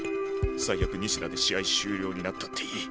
最悪仁科で試合終了になったっていい。